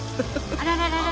あらららら。